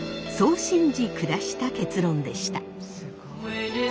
そう信じ下した結論でした。